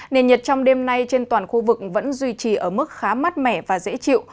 nền nhiệt trong đêm nay trên toàn khu vực vẫn duy trì ở mức khá mát mẻ và dễ chịu